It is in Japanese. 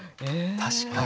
確かに。